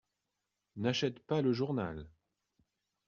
N’achète pas le journal !